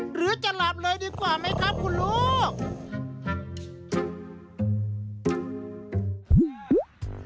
หรือจะหลับเลยดีกว่าไหมครับคุณลูก